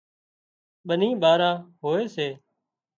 ٻني ٻارا هوئي سي